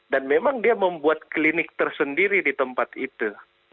dan memang dia membuat klinik tersendiri di tempat itu